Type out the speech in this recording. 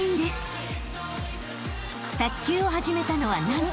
［卓球を始めたのは何と２歳］